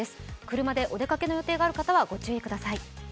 車でお出かけの予定がある方はご注意ください。